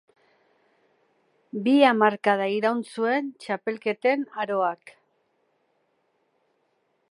Bi hamarkada iraun zuen txapelketen aroak.